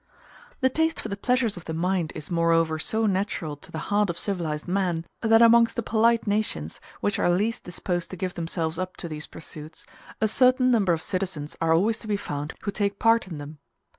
The taste for the pleasures of the mind is moreover so natural to the heart of civilized man, that amongst the polite nations, which are least disposed to give themselves up to these pursuits, a certain number of citizens are always to be found who take part in them.